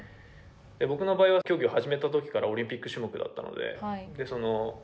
僕の場合は競技を始めたときからオリンピック種目だったので。